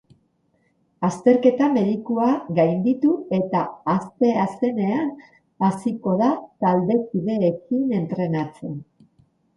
Azterketa medikua gainditu eta asteazenean hasiko da taldekideekin entrenatzen.